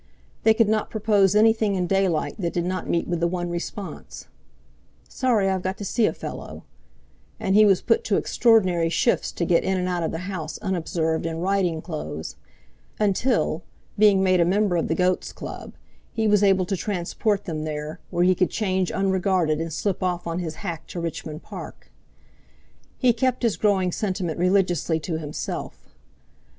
They could not propose anything in daylight that did not meet with the one response: "Sorry; I've got to see a fellow"; and he was put to extraordinary shifts to get in and out of the house unobserved in riding clothes; until, being made a member of the Goat's Club, he was able to transport them there, where he could change unregarded and slip off on his hack to Richmond Park. He kept his growing sentiment religiously to himself.